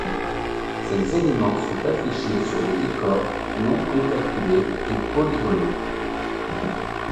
Ces éléments sont affichés sur les décors non précalculés et polygonaux.